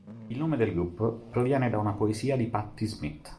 Il nome del gruppo proviene da una poesia di Patti Smith.